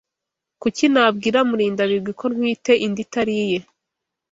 Kuki nabwira Murindabigwi ko ntwite inda itari iye